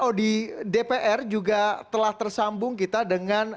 oh di dpr juga telah tersambung kita dengan